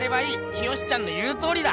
清ちゃんの言うとおりだ！